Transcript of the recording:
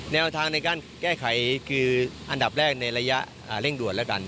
แนวทางในการแก้ไขคืออันดับแรกในระยะเร่งด่วนแล้วกัน